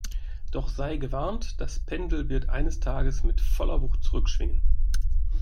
Doch sei gewarnt, das Pendel wird eines Tages mit voller Wucht zurückschwingen!